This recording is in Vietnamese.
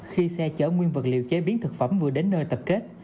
khi xe chở nguyên vật liệu chế biến thực phẩm vừa đến nơi tập kết